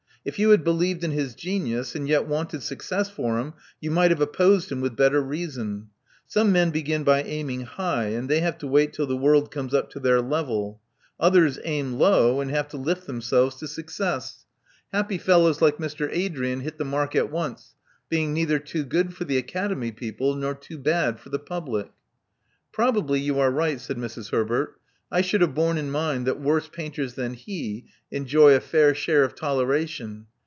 If youTiad believed in his genius, and yet wanted suc cess for him, you might have opposed him with better reason. Some men begin by aiming high, and they have to wait till the world comes up to their level. Others aim low, and have to lift themselves to success. 248 Love Among the Artists Happy fellows like Mr. Adrian hit the mark at once, being neither too good for the Academy people nor too bad for the public." Probably you are right," said Mrs. Herbert. I should have borne in mind that worse painters than he enjoy a fair share of toleration.